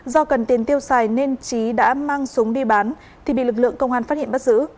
do cần tiền tiêu xài nên trí đã mang súng đi bán thì bị lực lượng công an phát hiện bắt giữ